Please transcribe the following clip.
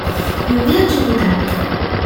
Un viaggio in Italia.